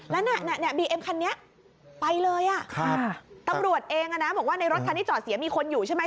แล้วน่ะเนี่ยบีเอ็มคันนี้ไปเลยอ่ะครับตำรวจเองอ่ะนะบอกว่าในรถคันที่จอดเสียมีคนอยู่ใช่ไหม